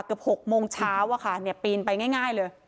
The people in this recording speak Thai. เกือบ๖โมงเช้าอะค่ะปีนไปง่ายเลย